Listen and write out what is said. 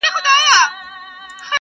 او ویل یې چي د جوزجان ولایت -